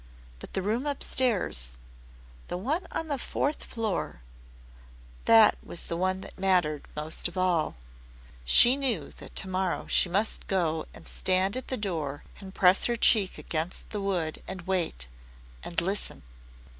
But the room up stairs the one on the fourth floor that was the one that mattered most of all. She knew that to morrow she must go and stand at the door and press her cheek against the wood and wait and listen.